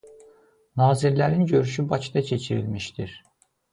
Nazirlərin görüşü Bakıda keçirilmişdir.